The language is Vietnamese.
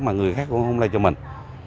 mà người khác cũng không lây cho mình